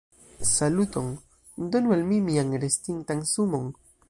Saluton, donu al mi mian restintan sumon